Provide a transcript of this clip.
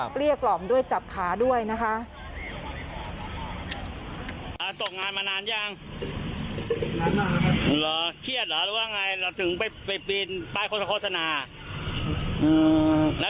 เกลี้ยกล่อมด้วยจับขาด้วยนะคะ